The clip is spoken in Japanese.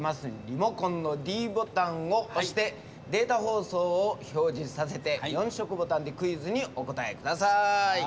リモコンのｄボタンを押してデータ放送を表示させて４色ボタンでクイズにお答え下さい。